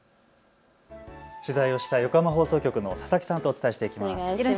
取材をした横浜放送局の佐々木さんとお伝えしていきます。